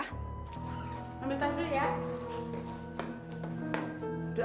ambil tangga ya